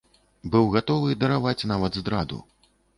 Быў гатовы дараваць нават здраду.